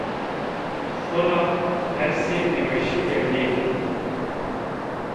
Xora persê nêweşî bellî yê